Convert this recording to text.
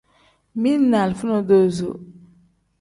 Mili ni alifa nodozo.